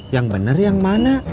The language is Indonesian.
yang bener yang mana